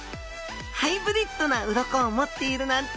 ハイブリッドな鱗を持っているなんて